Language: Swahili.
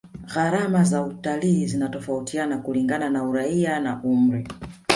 gharama za utalii zinatofautiana kulingana na uraia na umri